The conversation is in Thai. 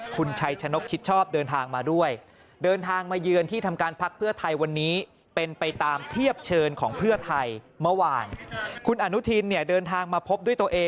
คุณชัยชนกที่ชอบ